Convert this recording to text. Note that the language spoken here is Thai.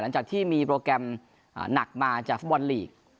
หลังจากที่มีโปรแกรมหนักมาจากฟุตบอลลีก